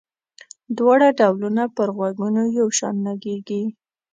دواړه ډولونه پر غوږونو یو شان لګيږي.